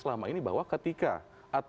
silakan l robbie dengan tepat yang grant